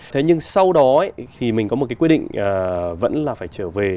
thế nhưng sau đó thì mình có một cái quy định vẫn là phải trở về